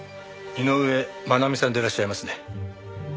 井上真奈美さんでいらっしゃいますね。